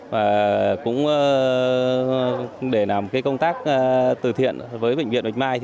và cũng để làm công tác từ thiện với bệnh viện bạch mai